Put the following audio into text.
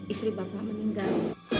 istri bapak meninggal